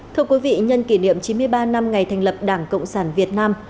thưa quý vị nhân kỷ niệm chín mươi ba năm ngày thành lập đảng cộng sản việt nam